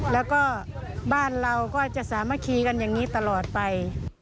แล้วก็บ้านเราก็จะสามัคคีกันอย่างนี้ตลอดไป